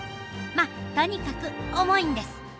まあとにかく重いんです。